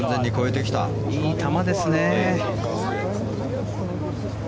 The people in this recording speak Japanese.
いい球ですね。